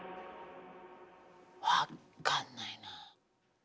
分っかんないな。